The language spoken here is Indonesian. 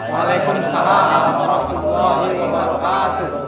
waalaikumsalam warahmatullahi wabarakatuh